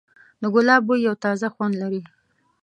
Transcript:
د ګلاب بوی یو تازه خوند لري.